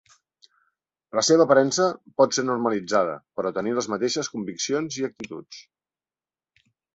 La seva aparença pot ser normalitzada però tenir les mateixes conviccions i actituds.